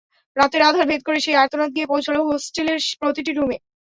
রাতের আঁধার ভেদ করে সেই আর্তনাদ গিয়ে পৌঁছাল হোস্টেলের প্রতিটা রুমে।